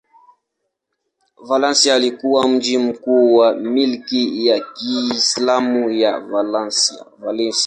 Valencia ilikuwa mji mkuu wa milki ya Kiislamu ya Valencia.